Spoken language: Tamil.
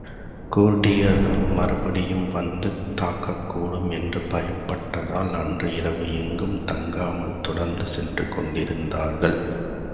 கூர்டியர்கள் மறுபடியும் வந்து தாக்கக்கூடும் என்று பயப்பட்டதால், அன்று இரவு எங்கும் தங்காமல், தொடர்ந்து சென்று கொண்டிருந்தார்கள்.